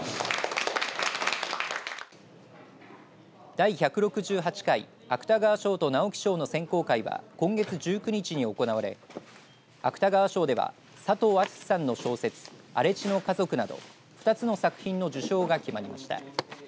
第１６８回芥川賞と直木賞の選考会は今月１９日に行われ芥川賞では佐藤厚志さんの小説荒地の家族など２つの作品の受賞が決まりました。